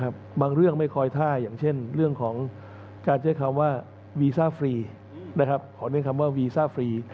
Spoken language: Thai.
บางเรื่องไม่คอยท่าอย่างเช่นเรื่องของการเจอคำว่าวีซ่าฟรี